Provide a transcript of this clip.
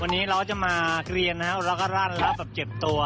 วันนี้เราจะมาเรียนนะครับแล้วก็รั่นแล้วแบบเจ็บตัว